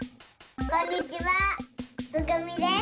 こんにちはつぐみです。